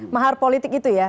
mahar politik itu ya